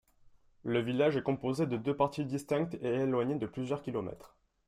Le village est composé de deux parties distinctes et éloignées de plusieurs kilomètres.